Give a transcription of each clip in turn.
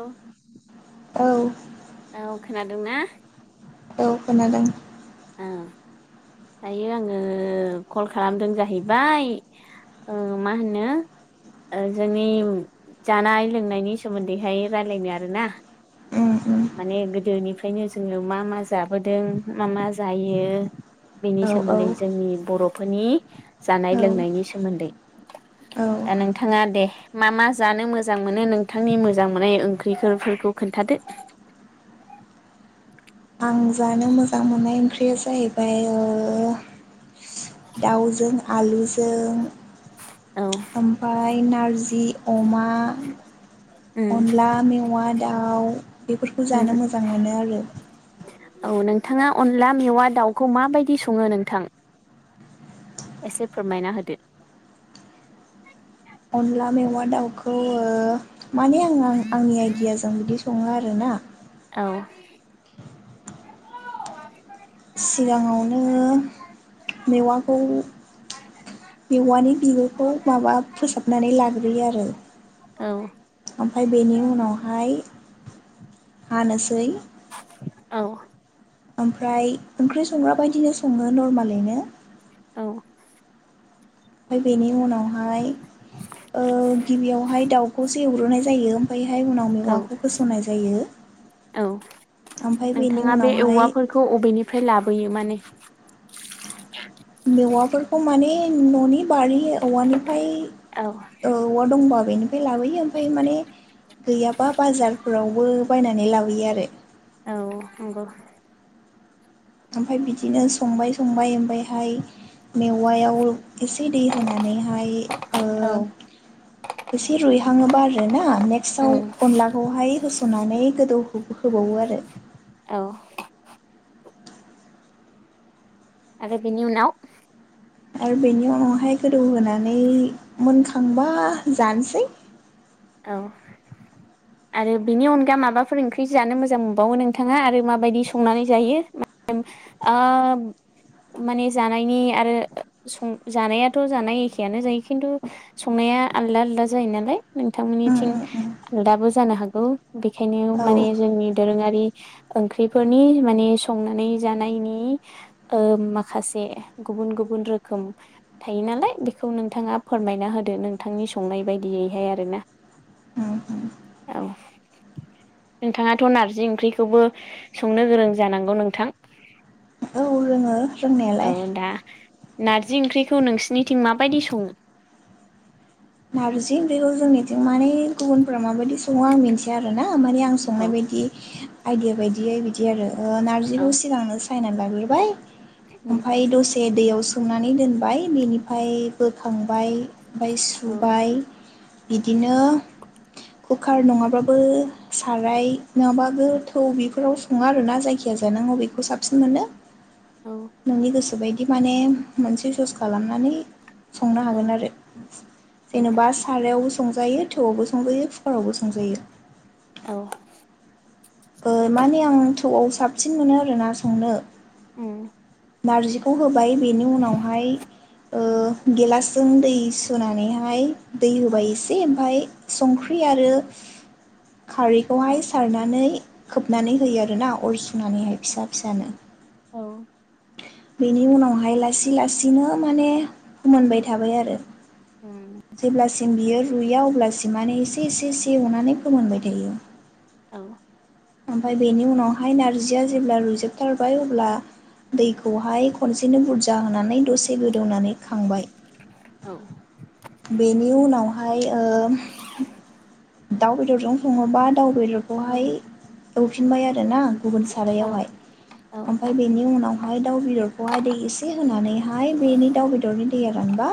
औ औ खोनादोंना? औ खोनादों औ दायो आङो कल खालामदों जाहैबाय औ मा होनो जोंनि जानाय लोंनायनि सोमोन्दैहाय रायलायनो आरोना। उम उम माने गोदोनिफ्रायनो जोङो मा मा जाबोदों मा मा जायो । बेनि औ औ सोमोन्दै जोंनि बर'फोरनि जानाय औ लोंनायनि सोमोन्दै औ द नोंथाङा दे मा मा जानो मोजां मोनो नोंथांनि मोजां मोननाय ओंख्रिफोरखौ खोन्थादो । [inaudible] आं जानो मोजां मोननाय ओंख्रिया जाहैबाय ओ दाउजों आलुजों [inaudible] ओमफाय नारजि अमा, उम अनला मेव अमा दाउ बेफोरखौ उम जानो मोजां मोनो आरो । औ नोंथाङा अनला मेवा दाउखौ माबायदि सङो नोंथां? एसे फोरमायना होदो। अनला मेवा दाउखौ ओ माने आं आं आंनि आइदियाजों बिदि सङो आरोना औ सिगाङावनो मेवाखौ मेवानि बिगुरखौ माबा फोसाबनानै लाग्रोयो आरो। औ ओमफाय बेनि उनावहाय हानोसै औ ओमफ्राय ओंख्रि संग्रा बायदिनो सङो नर्मालैनो औ बेनि उनावहाय ओ गिबियावहाय दाउखौसो एवग्रोनाय जायो ओमफायहाय उनाव औ मेवाखौ होसननाय जायो। औ ओमफ्राय बेनि नोंथाङा बे उनावहाय औवाफोरखौ अबेनिफ्राय लाब होयो माने मेवाफोरखौ माने न'नि बारि औवानिफ्राय औ औवा दंबा बेनिफ्राय लाबोयो ओमफ्राय माने गैयाबा बाजारफोरावबो बायनानै लाबोयो आरो। औ नंगौ। ओमफ्राय बिदिनो संबाय संबाय ओमफ्रायहाय मेवायाव एसे दै होनानैहाय ओ औ एसे रुइहाङोबा आरो ना उम नेक्साव अनलाखौहाय होस'नानै गोदौ हो- होबावो आरो। औ आरो बेनि उनाव? आरो बेनि उनावहाय गोदौहोनानै मोनखांबा जानोसै। [inaudible] औ आरो बेनि अनगा माबाफोर ओंख्रि जानो मोजां मोनबावो नोंथाङा आरो माबायदि संनानै जायो? आ [unintelligible] माने जानायनि आरो सं जानायाथ' जानाय एखेआनो जायो खिन्थु संनाय या आलदा आलदा जायो नालाय। उम नोंथांनिथिं उम उम आलदाबो जानो हागौ बेखायनो औ माने जोंनि दोरोङारि ओंख्रिफोरनि माने संनानै जानायनि ओ माखासे गु बुन गुबुन रोखोम थायो नालाय बेखौ नोंथाङा फोरमायना होदो नोंथांनि संनाय बायदियैहाय आरो। ना उम उम। औ नोंथाङाथ' नारजि ओंख्रिखौबो संनो गोरों जानांगौ नोंथां। औ रों औ दा नारजि ओंख्रिखौ नोंसिनिथिं माबायदि सङो? नारजिंखौ जोंनिथिं माने गुबुनफ्रा माबायदि सङो आं मिन्थिया आरो ना ह माने आं औ संनाय बायदि आइदिया बायदियै बिदि आरो औ नारजिखौ सिगांनो सायनानै लाग्रोबाय ओमफ्राय दसे दैयाव सोमनानै दोनबाय बेनिफ्राय बोखांबाय ओमफ्राय औ रुबाइ बिदिनो कुकार नङाबाबो साराय नङाब्लाबो थौ बेफोराव सङो आरोना जायखिजाया गोजानांगौ बेखौ साबसिन मोनो औ नोंनि गोसो बायदि माने मोनसे सस खालामनानै संनो औ हागोन आरो औ जेनेबा सार यावबो संजायो थौवआवबो संजायो कुकारावबो संजायो औ ओ माने आं थौआव साबसिन मोनो आरोना संनो उम नारजिखौ होबाय बेनि उनावहाय ओ गेलासजों दै सुनानैहाय दै औ होबाय एसे ओमफाय संख्रि आरो खारैखौहाय सारनानै खोबनानै होयो आरोना अर सुनानैहाय फिसा फिसानो औ बेनि उनावहाय लासै लासैनो माने मोनबाय थाबाय आरो जेब्लासिम बियो रुयया अब्लासिम माने एसे एसे एसे अनानै फोमोनबाय थायो औ ओमफाय बेनि उनावहाय नारजिया जेब्ला रुइजोबथारबाय अब्ला दैखौहाय खनसेनो बुरजा होनानै दसे गोदौनानै खांबाय औ हाय ओम दाउ बेदरजों सङोबा दाउ बेदरखौहाय एवफिनबाय आरो ना गुबुन औ सारायावहाय औ ओमफ्राय बेनि उनाव दाउ बेदरखौहाय दै एसे होनानैहाय बेनि दाउ बेदरनि दैया रानबा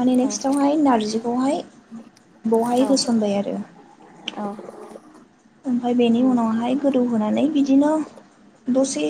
माने नेक्स्टावहाय नारजिखौहाय बेावहाय होसनबाय आरो अ ओमफ्राय बेनि उनावहाय गोदौहोनानै बिदिनो दसे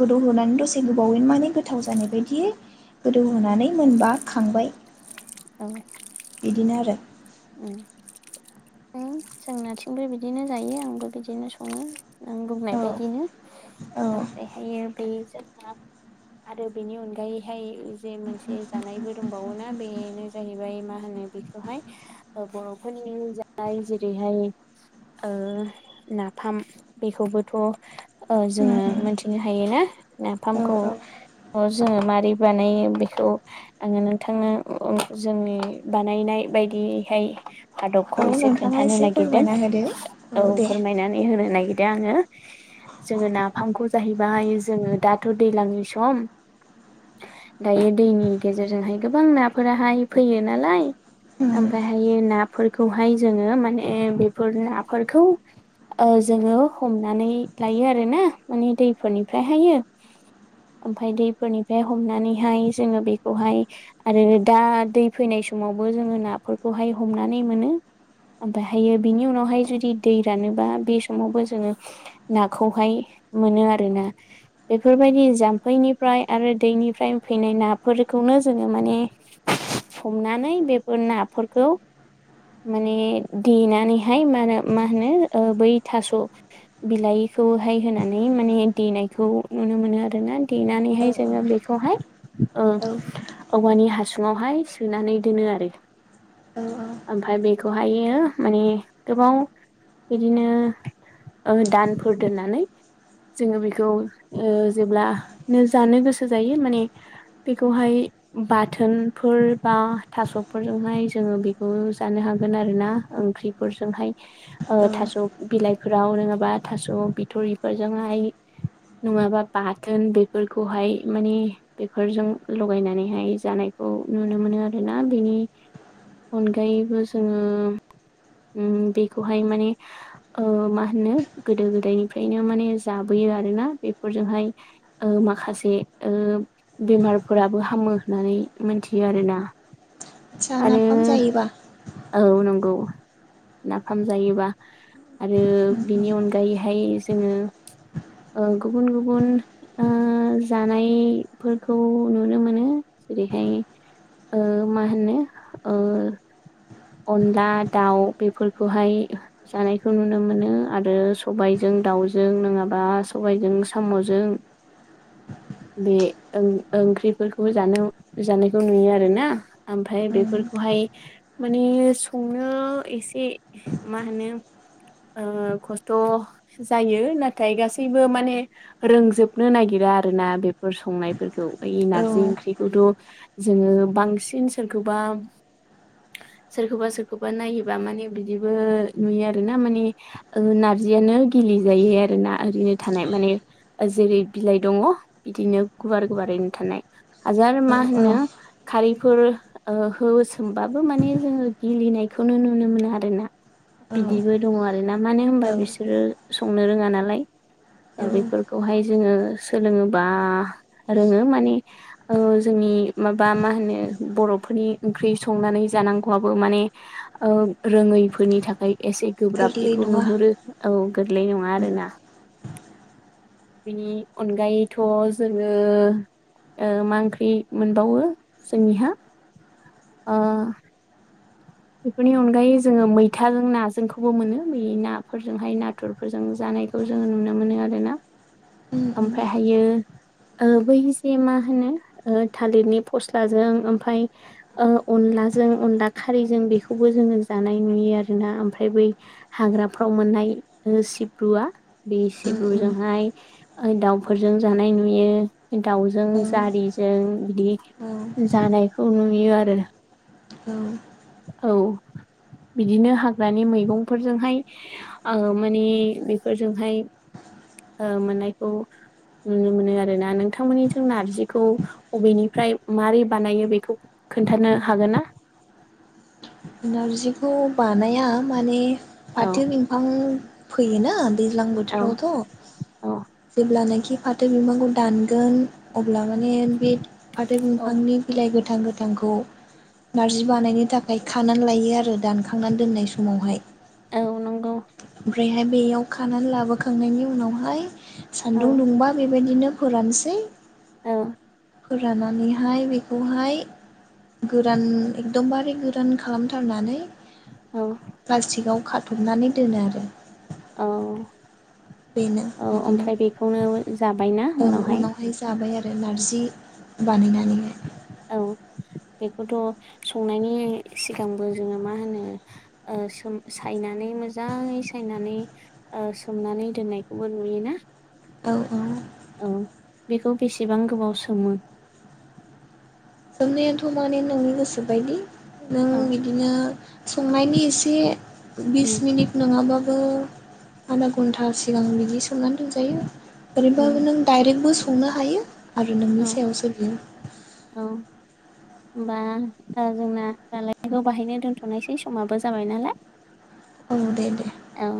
गोदौ होनोनानै दसे गोबावैनो माने गोथाव जानाय बायदि गोदौहोनानै मोनबा खांबाय बिदिनो आरो जोंनाथिंबो बिदिनो जायो आंबो बिदिनो सङो नों बुंनाय औ बायदिनो औ ओमफ्रायहायो बे जोंहा आरो बेनि अनगायैहाय जे मोनसे जानायबो दंबावोना बेनो जाहैबाय मा होनो बेखौहाय बरफोरनि जाय जेरैहाय ओ नाफाम बेफो बोथ उम जोङो उम मिथिनो हायो ना औ नाफामखौ औ ओ जोङो मारै बानायो बेखौ आङो नोंथांनो जोंनि बानायनाय बायदि हैय आदबखौ औ एसे नोंथाङा खोन्थानो एसे नागिरदों फोरमायना होदो औ फोरमायनानै होनो नागिरदों आङो जोङो नाफामखौ जाहैबाय जोङो दाथ दैज्लांनि सम [inaudible] दायो दैनि गेजेरजोंहाय गोबां नाफोराहाय फैयो नालाय हुम ओमहायो नाफोरखौहाय जोङो माने बेफोर नाफोरखौ ओ जोङो हमनानै लायो आरो ना माने दैफोरनिफ्रायहायो ओमफ्राय दैफोरनिफ्राय हमनानैहाय जोङो बेखौहाय आरो दा दै फैनाय सम समावबो जोङो नाफोरखौहाय हमनानै मोनो ओमफ्रायहायो बिनि उनावहाय जुदि दै रानोबा बे समावबो जोङो नाखौहाय मोनो आरोना बेफोरबायदि जाम्फैनिफ्राय आरो दैनिफ्राय फैनाय नाफोरखौ बेखौनो जोङो माने हमनानै बेफोर नाफोरखौ माने देनानैहाय मा होनो मा होनो बै थास' बिलाइ बेखौहाय होनानै माने देनायखौ नुनो मोनो आरोना औ देनानैहाय जोङो बेखौहाय ओ औ औवानि हासुुङावहाय सोनानै दोनो आरो औ ओमफ्राय बेखौहायो माने गोबाव बिदिनो दानफोर दोननानै जोङो बेखौ जेब्लानो जानो गोसो जायो माने बेखौहाय बाथोन फोर बा थास'फोरजोंहाय जों जानो हागोन आरोना ओंख्रिफोर जोंहाय औ थास' बिलाइफोर जों राव लोङाबा थास' बिथरिफोरजोंहाय नङाबा बाथोन बेफोरखौहाय मानि बेफोरजों लगायनानैहाय जानाय खौ नुनो मोनो आरोना बेनि अनगायैबो जोङो बेखौहाय माने मा होनो गोदो गोदायनिफ्रायनो माने जाबोयो आरोना बेफोरजोंहाय माखासे बेमारफोराबो हामो होननानै मिथियो आरोना आसा आरो नाफाम जायोबा औ नंगौ नाफाम जायोबा आरो उम बिनि अनगायैहाय जोङो गुबुन गुबुन जानायफोरखौ नुनो मोनो जेरैहाय मा होनो अनला दाउ बेफोरखौहाय जानायखौ नुनो मोनो आरो सबाइजों दाउजों नङाबा सबाइजों साम'जों [inaudible] बे ओंख्रिफोरखौबो जानो जानायखौ नुयो आरो ना ओमफ्राय उम बेफोरखौहाय फ्राय माने संनो एसे मा होनो ओ खस्थ' जायो नाथाय गासैबो माने रोंजोबनो नागिर रां आरोना बेफोर संनायफोरखौ बै औ नारजि ओंख्रिखौथ' जोङो बांसिन सोरखौबा सोरखौबा सोरखौबा नायोबा माने बिदिबो नुयो आरो ना माने ओ नारजियानो नो गिलि जायि आरो ना ओरैनो थानाय माने जेरै बिलाइ दङ बिदिनो गुवार गुवारैनो थानाय हाजार मा औ होनो खारैफोर ओ होसोमबा बाबो माने जोङो गिलिनायखौनो नुनो मोनो आरोना औ बिदिबो दङ आरोना मानो होनबा बिसोरो संनो रोङा नालाय औ दा बेफोरखौहाय जोङो सोलोङोबा रोङो माने ओ जोंनि माबा मा होनो बर'फोरनि ओंख्रि संनानै जानांगौआबो माने ओ रोङै फोरनि थाखाय एसे गोब्राब गोरलै बेखौ नङा नुहुरो औ गोरलै नङा आरोना बेनि अनगायैथ' जोङो ओ मा ओंख्रि मोनबावो जोंनिहा ओ [inaudible] बेफोरनि अनगायै जोङो मैथाजों नाजोंखौबो मोनो बेै नाफोरजोंहाय नाथुरफोरजों जानायखौ खौ जोङो नुनो मोनो आरोना उम उम ओमफ्राय हाययो ओ बै जे मा होनो थालिरनि फस्लाजों ओमफ्राय अन ला जों अनला खारैजों बेखौबो जोङो जानाय नुयो आरोना ओमफ्राय बै हाग्राफ्राव मोननाय ओ सिब्रुआ बे उम उम औ नारजिखौ सिब्रुजोंहाय ओ दाउफोरजों जानाय नुयो दाउजों जारिजों बिदि जानायखौ नुयो आरो औ औ। बिदिनो हाग्रानि मैगंफोरजोंहाय, ओ माने बेफोरजोंहाय ओ मोननायखौ नुनो मोनो आरोना। नोंथांमोननिथिं नारजिखौ अबेनिफ्राय मारै बानायो बेखौ खोन्थानो हागोन ना? नारजिखौ बानाया माने औ फाथो बिफां फोयोना दैज्लां औ बोथोरावथ' औ जेब्लानाखि [unintelligible] फाथो बिफांखौ दानगोन। अब्ला माने बे फाथो औ बिफांनि बिलाइ गोथां -गोथांखौ नारजि बानायनो थाखाय खानानै लायो आरो। दानखांनानै दोननाय समावहाय औ नंगौ ओमफ्रायहाय, बेयाव खानानै लाबोखांनायनि उनावहाय औ सान्दुं दुंबा बेबायदिनो फोरानसै। औ। फोराननानैहाय, बेखौहाय गोरान एकदम बारे [unintelligible] [unintelligible] खालामथारनानै, औ प्लास्टिकआव खाथबनानै दोनो आरो। औ। बेनो औ, बिदिनो ओमफ्राय बेखौनो जाबायना औ उनावहाय। जाबाय आरो नारजि बानायनानै हाय। औ बेखौथ' संनायनि सिगांबो जोङो मा होनो? ओ सोम- सायनानै मोजाङै सायनानै ओ सोमनानै दोननायखौबो नुयोना? औ औ। औ बेखौ बेसेबां गोबाव सोमो? सोमनायाथ' माने नोंनि गोसोबायदि। नों औ बिदिनो संनायनि एसे बिस उम मिनिट नङाब्ला [unintelligible] आधा घन्टा सिगां बिदि सोमनानै दोनजायो। उम ओरैबाबो नों दडाइरेक्टबो संनो हायो आरो नोंनि औ सायावसो बियो। औ [unintelligible] होमबा जोंना रायज्लायनायखौ बेहायनो दोन्थ'नोसै समाबो जाबाय नालाय। औ दे दे। औ